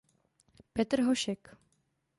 Petr Hošek.